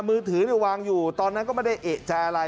มือถือวางอยู่ตอนนั้นก็ไม่ได้เอกใจอะไร